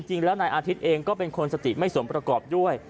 จริงแล้วนายอาทิตย์เองก็เป็นคนสติไม่สมประกอบด้วย